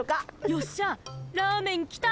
よっしゃラーメンきた！